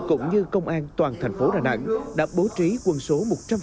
cũng như công an toàn thành phố đà nẵng đã bố trí quân số một trăm linh